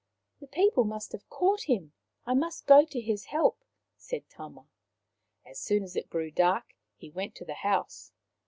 " The people must have caught him. I must go to his help," said Tama. As soon as it grew dark he went to the house.